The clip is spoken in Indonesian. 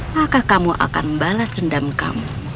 maka kamu akan balas dendam kamu